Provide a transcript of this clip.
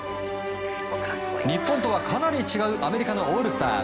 日本とはかなり違うアメリカのオールスター。